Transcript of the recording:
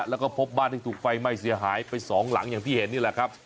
แล้วก็พบบ้านที่ถูกไฟไหม้เสียหายไปสองหลังอย่างที่เห็นนี่แหละครับ